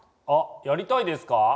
あっやりたいですか？